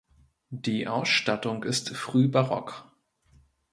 Die Ausstattung ist frühbarock.